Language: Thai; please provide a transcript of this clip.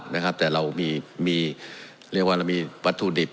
นะครับแต่เรามีมีเรียกว่าเรามีวัตถุดิบ